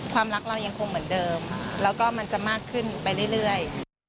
ความรักเรายังคงเหมือนเดิมแล้วก็มันจะมากขึ้นไปเรื่อย